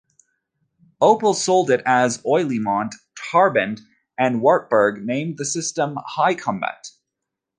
Opel sold it as Olymat; Trabant and Wartburg named the system Hycomat.